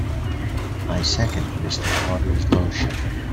I second Mr. Potter's motion.